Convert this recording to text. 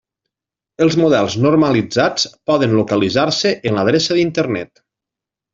Els models normalitzats poden localitzar-se en l'adreça d'internet.